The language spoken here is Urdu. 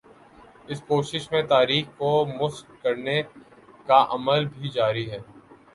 اس کوشش میں تاریخ کو مسخ کرنے کا عمل بھی جاری ہے۔